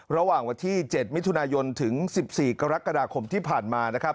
ระหว่างวันที่๗มิถุนายนถึง๑๔กรกฎาคมที่ผ่านมานะครับ